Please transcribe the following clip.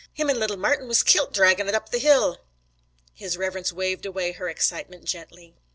Him an' little Martin was kilt draggin' it up the hill.' His Reverence waved away her excitement gently.